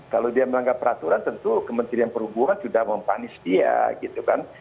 kalau dia melanggar peraturan tentu kementerian perhubungan sudah mempanis dia gitu kan